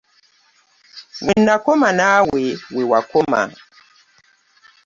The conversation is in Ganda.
Wenakoma naawe wewakoma!.